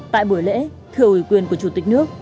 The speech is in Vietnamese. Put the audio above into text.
tại buổi lễ thưa ủy quyền của chủ tịch nước